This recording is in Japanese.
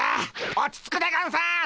落ち着くでゴンス。